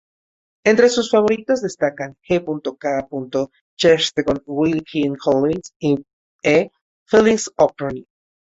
Entre sus favoritos, destacan: G. K. Chesterton, Wilkie Collins y E. Phillips Oppenheim.